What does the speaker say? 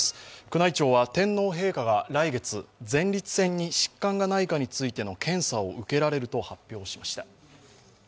宮内庁は天皇陛下が来月、前立腺に疾患がないかの検査を受けられると発表しました。